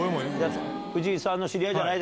藤井さんの知り合いではない。